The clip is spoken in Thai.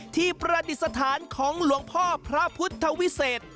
ประดิษฐานของหลวงพ่อพระพุทธวิเศษ